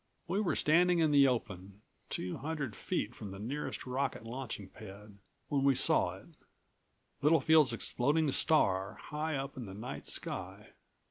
We were standing in the open, two hundred feet from the nearest rocket launching pad, when we saw it Littlefield's exploding star high up in the night sky.